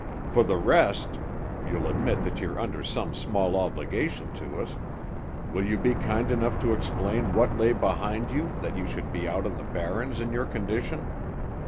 "For the rest—you'll admit that you're under some small obligation to us—will you be kind enough to explain what lay behind you that you should be out on the barrens in your condition?